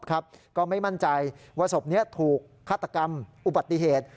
ก็ไม่มั่นใจว่าศพนี้ถูกฆาตกรรมอุบัติเหตุ